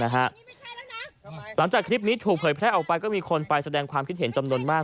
หลังจากคลิปนี้ถูกเผยแพร่ออกไปก็มีคนไปแสดงความคิดเห็นจำนวนมาก